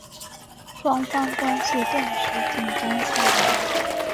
双方关系顿时紧张起来。